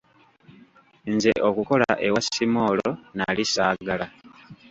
Nze okukola ewa Simoolo nali saagala.